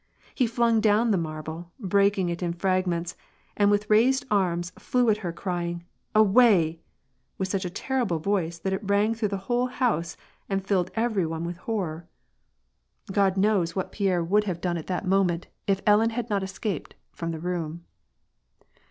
He flung down the marble, breaking it in frag ments, and with raised arms flew at her, crying :" Away !" with such a terrible voice that it rang through the whole booae and filled every one with horror. God knows what *" i>e# amaikU.^^ I 82 WAR AND PEACE. Pierre would have done at that moment if Ellen had not es caped from the room.